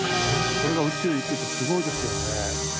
これが宇宙行くってすごいですよね。